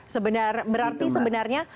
sebenarnya berarti sebenarnya